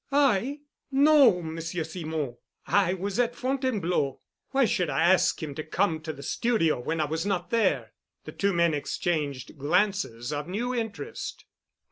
"I? No, Monsieur Simon. I was at Fontainebleau. Why should I ask him to come to the studio when I was not there?" The two men exchanged glances of new interest.